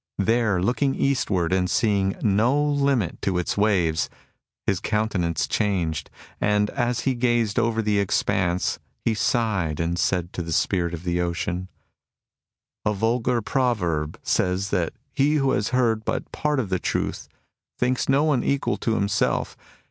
There, looking eastwards and seeing no limit to its waves, his countenance changed. And as he gazed over the expanse, he sighed and said to the Spirit of the Ocean, "A vulgar proverb says that he who has heard but part of the truth thinks no one equal to himself.